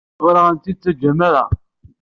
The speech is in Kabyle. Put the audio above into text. Ur aɣ-ten-id-teǧǧam ara.